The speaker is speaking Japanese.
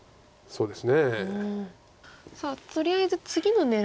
そうですね。